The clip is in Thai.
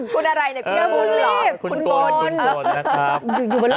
คุณอะไรเนี่ย